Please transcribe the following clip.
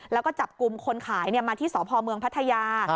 แล้วก็จับกลุ่มคนขายมาที่สพเมืองพัทยา